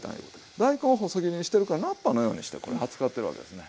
大根細切りにしてるから菜っぱのようにしてこれ扱ってるわけですね。